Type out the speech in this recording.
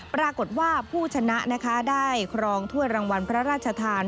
ปรากฏว่าผู้ชนะนะคะได้ครองถ้วยรางวัลพระราชทาน